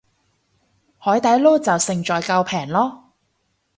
海底撈就勝在夠平囉